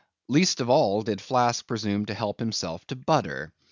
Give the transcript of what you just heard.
Least of all, did Flask presume to help himself to butter.